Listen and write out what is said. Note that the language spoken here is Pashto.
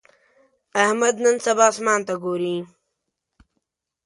احمد نن سبا اسمان ته ګوري.